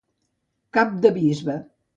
Cap de bisbe.